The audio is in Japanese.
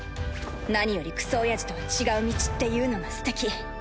何よりクソおやじとは違う道っていうのがすてき。